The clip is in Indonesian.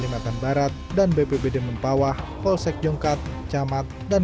penanggulangan bencana daerah bppd kalimantan barat dan bppd mempawah volsek jongkat camat dan